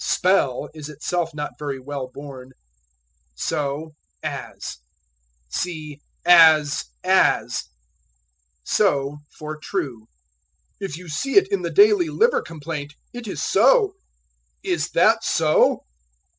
"Spell" is itself not very well born. So as. See As as. So for True. "If you see it in the Daily Livercomplaint it is so." "Is that so?"